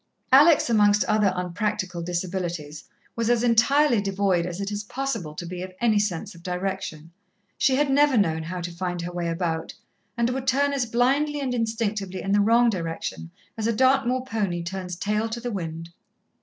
Alex, amongst other unpractical disabilities, was as entirely devoid as it is possible to be of any sense of direction. She had never known how to find her way about, and would turn as blindly and instinctively in the wrong direction as a Dartmoor pony turns tail to the wind.